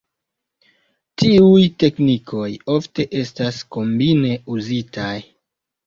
Tiuj teknikoj ofte estas kombine uzitaj.